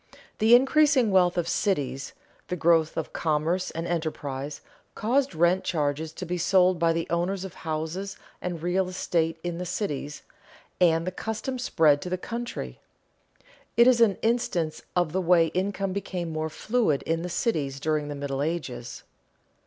The increasing wealth of cities, the growth of commerce and enterprise, caused rent charges to be sold by the owners of houses and real estate in the cities, and the custom spread to the country. It is an instance of the way income became more fluid in the cities during the Middle Ages.